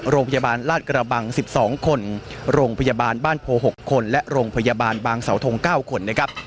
โรงพยาบาลราชกระบัง๑๒คนโรงพยาบาลบ้านโพ๖คนและโรงพยาบาลบางสาวทง๙คนนะครับ